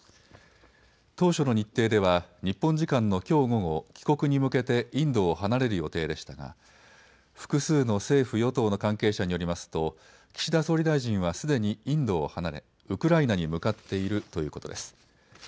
当初の日程では日本時間のきょう午後、帰国に向けてインドを離れる予定でしたが複数の政府与党の関係者によりますと岸田総理大臣はすでにインドを離れ、ウクライナに向かっているということです。